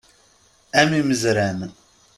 A mm imezran!